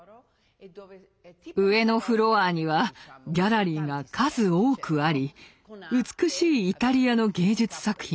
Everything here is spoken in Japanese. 上のフロアにはギャラリーが数多くあり美しいイタリアの芸術作品